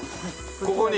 ここに？